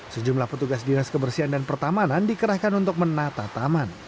sejumlah petugas dinas kebersihan dan pertamanan dikerahkan untuk menata taman